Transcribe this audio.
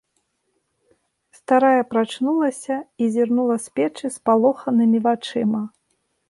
Старая прачнулася і зірнула з печы спалоханымі вачыма.